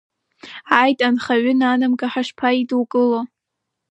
Ааит, анхаҩы нанамга ҳашԥаидукыло!